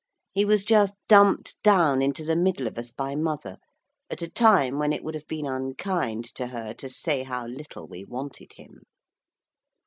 He was just dumped down into the middle of us by mother, at a time when it would have been unkind to her to say how little we wanted him.